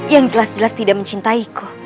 yang jelas jelas tidak mencintaiku